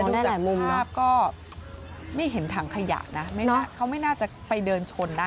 ดูจากมุมภาพก็ไม่เห็นถังขยะนะเขาไม่น่าจะไปเดินชนนะ